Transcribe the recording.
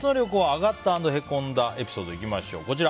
アガッた＆へこんだエピソードいきましょう。